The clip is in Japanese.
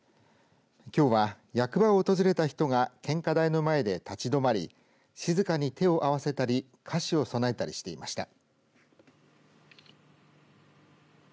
きょうは役場を訪れた人が献花台の前で立ち止まり静かに手を合わせたり菓子を供えたりしていました。